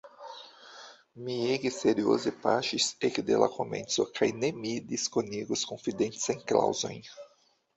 Mi ege serioze paŝis ekde la komenco kaj ne mi diskonigos konfidencajn klaŭzojn.